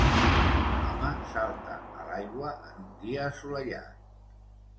Un home salta a l'aigua en un dia assolellat.